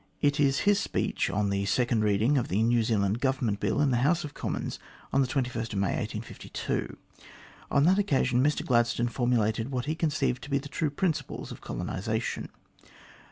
It is his speech on the second reading of the New Zealand Government Bill in the House of Commons on May 21, 1852. On that occasion, Mr Gladstone formulated what he conceived to be the true prin ciples of colonisation.